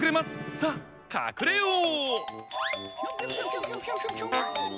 さあかくれよう！